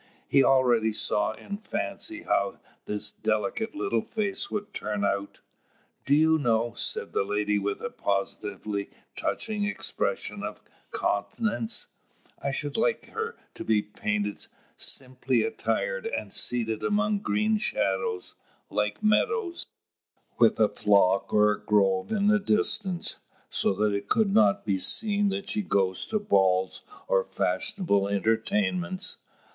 He already saw in fancy how this delicate little face would turn out. "Do you know," said the lady with a positively touching expression of countenance, "I should like her to be painted simply attired, and seated among green shadows, like meadows, with a flock or a grove in the distance, so that it could not be seen that she goes to balls or fashionable entertainments.